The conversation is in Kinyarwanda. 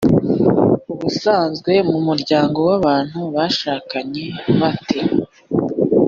ubusanzwe mu muryango w abantu bashakanye bate